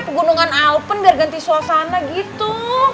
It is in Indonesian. pegunungan alpen biar ganti suasana gitu